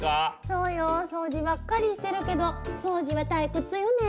そうよ掃除ばっかりしてるけど掃除は退屈よね。